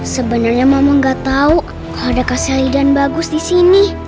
sebenernya mama gak tau kalau ada kak selidan bagus disini